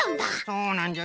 そうなんじゃ。